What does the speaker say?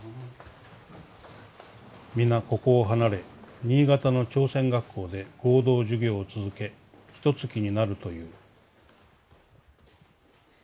「皆ここを離れ新潟の朝鮮学校で合同授業を続けひと月になるという」。